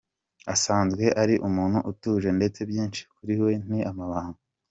Asanzwe ari umuntu utuje, ndetse byinshi kuri we ni amabanga.